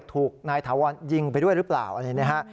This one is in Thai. ถูกนายถาวรยิงไปด้วยหรือเปล่าอะไรนะฮะ